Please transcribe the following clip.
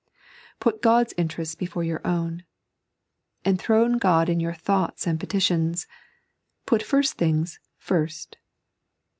Put God's intereets before your own. Enthrone Ood in your thoughts and petitions. Put first things first.